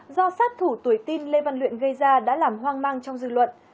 do sát thủ tuổi tin lê văn luyện gây ra đã làm hoang mang trong dư luận